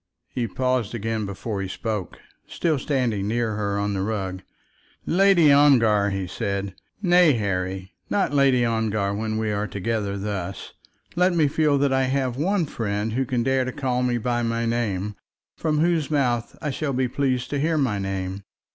He paused again before he spoke, still standing near her on the rug. "Lady Ongar " he said. "Nay, Harry; not Lady Ongar when we are together thus. Let me feel that I have one friend who can dare to call me by my name, from whose mouth I shall be pleased to hear my name.